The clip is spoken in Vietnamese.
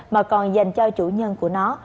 mà còn dành cho chủ nhân của nó